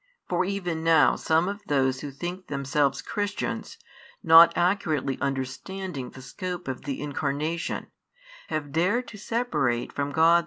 For even now some of those who think |56 themselves Christians, not accurately understanding the scope of the Incarnation, have dared to separate from God.